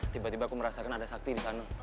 tiba tiba aku merasakan ada sakti di sana